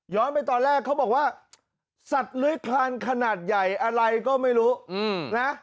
ไปตอนแรกเขาบอกว่าสัตว์เลื้อยคลานขนาดใหญ่อะไรก็ไม่รู้นะ